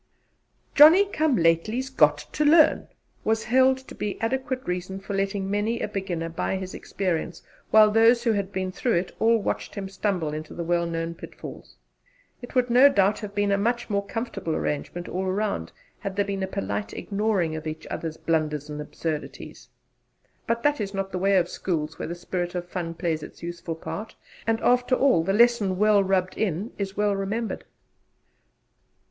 "Johnny come lately's got to learn" was held to be adequate reason for letting many a beginner buy his experience, while those who had been through it all watched him stumble into the well known pitfalls. It would no doubt have been a much more comfortable arrangement all round had there been a polite ignoring of each other's blunders and absurdities. But that is not the way of schools where the spirit of fun plays its useful part; and, after all, the lesson well 'rubbed in' is well remembered.